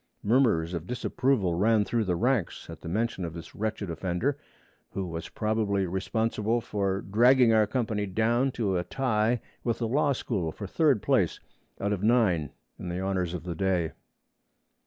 Murmurs of disapproval ran through the ranks at the mention of this wretched offender, who was probably responsible for dragging our company down to a tie with the Law School for third place out of nine in the honors of the day.